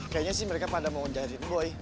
kayaknya sih mereka pada mau jahatin gue